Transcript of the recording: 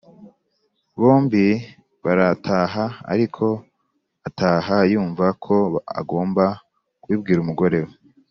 bombi barataha ariko ataha yumva ko agomba kubibwira umugore we